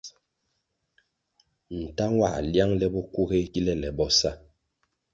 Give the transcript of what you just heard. Ntah nwãh liang le bokuğéh kile le bo sa.